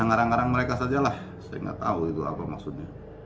arang arang mereka sajalah saya tidak tahu itu apa maksudnya